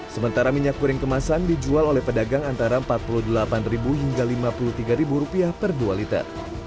sementara minyak goreng kemasan dijual oleh pedagang antara rp empat puluh delapan hingga rp lima puluh tiga per dua liter